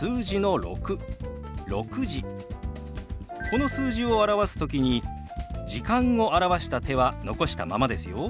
この数字を表す時に「時間」を表した手は残したままですよ。